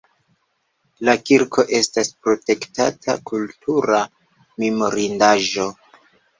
La kirko estas protektata kultura memorindaĵo.